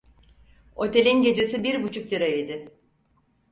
Otelin gecesi bir buçuk lira idi.